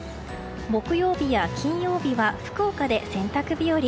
木曜日や金曜日は福岡で洗濯日和。